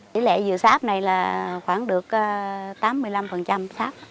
tỉ lệ dừa sáp này là khoảng được tám mươi năm sáp